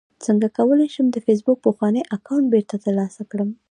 څنګه کولی شم د فېسبوک پخوانی اکاونټ بیرته ترلاسه کړم